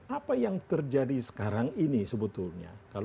apa yang terjadi sekarang ini sebetulnya